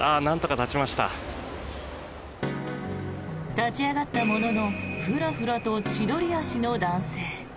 立ち上がったもののフラフラと千鳥足の男性。